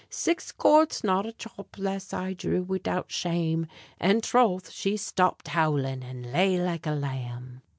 Six quarts, not a dhrap less I drew widout sham, And troth she shtopped howlin', and lay like a lamb.